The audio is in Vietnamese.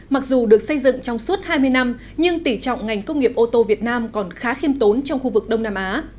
mặc dù được xây dựng trong suốt hai mươi năm nhưng tỉ trọng ngành công nghiệp ô tô việt nam còn khá khiêm tốn trong khu vực đông nam á